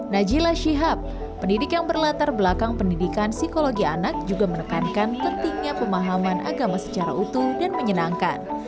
najila shihab pendidik yang berlatar belakang pendidikan psikologi anak juga menekankan pentingnya pemahaman agama secara utuh dan menyenangkan